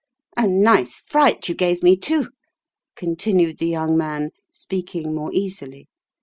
"A nice fright you gave me, too," continued the young man, speaking more easily.